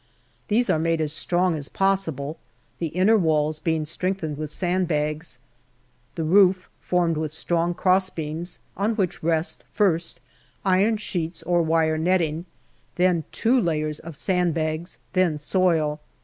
These are made as strong as possible, the inner walls being strengthened with sand bags, the roof formed with strong cross beams, on which rest, first, iron sheets or wire netting, then two layers of sand bags, then soil.